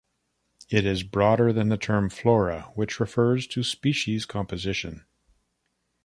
It is broader than the term "flora" which refers to species composition.